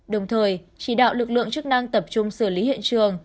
đồng thời chỉ đạo lực lượng chức năng tập trung xử lý hiện trường